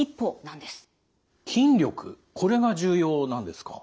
これが重要なんですか？